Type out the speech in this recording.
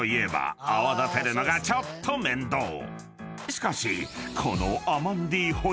［しかしこの］